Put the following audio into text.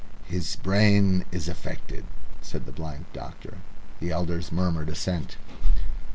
"His brain is affected," said the blind doctor. The elders murmured assent.